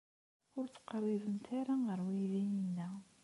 Ur ttqerribemt ara ɣer uydi-inna.